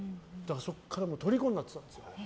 そこからとりこになってたんですよ。